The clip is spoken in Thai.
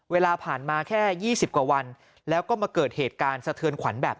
เวลาผ่านมาแค่๒๐กว่าวันแล้วก็มาเกิดเหตุการณ์สะเทือนขวัญแบบ